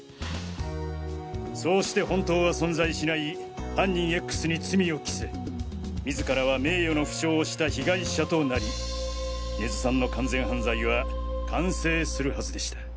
そうして本当は存在しない犯人“Ｘ”に罪を着せ自らは名誉の負傷をした被害者となり根津さんの完全犯罪は完成するはずでした。